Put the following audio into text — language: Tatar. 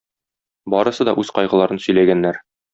Барысы да үз кайгыларын сөйләгәннәр.